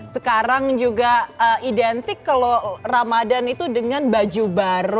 sekarang juga identik kalau ramadan itu dengan baju baru